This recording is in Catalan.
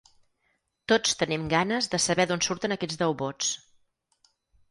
Tots tenim ganes de saber d’on surten aquests deu vots.